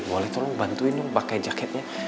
boleh tolong bantuin dong pakai jaketnya